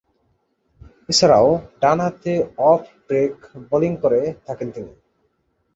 এছাড়াও ডানহাতে off break bowling করে থাকেন তিনি।